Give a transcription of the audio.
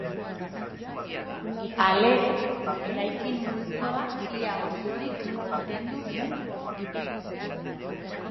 Halere, eraikin multzoa ia osorik mantendu zen.